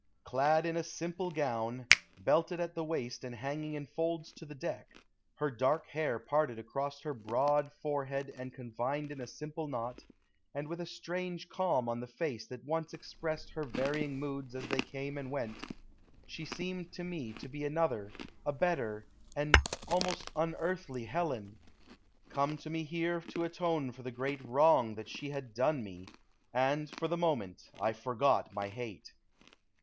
Clad in a simple gown, belted at the waist and hanging in folds to the deck, her dark hair parted across her broad forehead and confined in a simple knot, and with a strange calm on the face that once expressed her varying moods as they came and went, she seemed to me to be another, a better, an almost unearthly Helen, come to me here to atone for the great wrong that she had done me; and, for the moment, I forgot my hate.